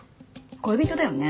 恋人だよね。